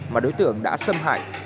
mà đối tượng đã xâm hại